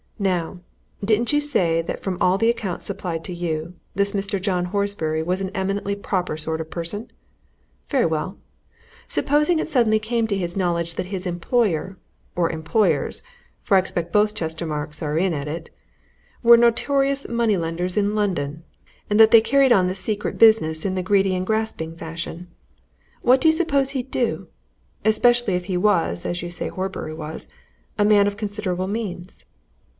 Now, didn't you say that from all the accounts supplied to you, this Mr. John Horbury was an eminently proper sort of person? Very well supposing it suddenly came to his knowledge that his employer or employers, for I expect both Chestermarkes are in at it were notorious money lenders in London, and that they carried on this secret business in the greedy and grasping fashion what do you suppose he'd do? especially if he was, as you say Horbury was, a man of considerable means?"